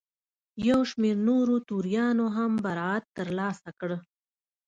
یو شمېر نورو توریانو هم برائت ترلاسه کړ.